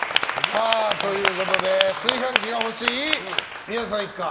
炊飯器が欲しい宮田一家。